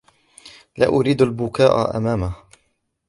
لا أريد البكاء أمامهُ.